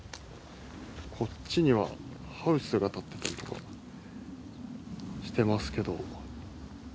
こっちにはハウスが建ってたりとかしてますけど。